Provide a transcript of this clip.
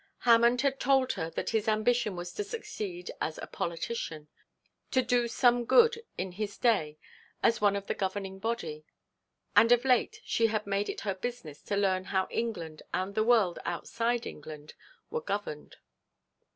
Hammond had told her that his ambition was to succeed as a politician to do some good in his day as one of the governing body; and of late she had made it her business to learn how England and the world outside England were governed.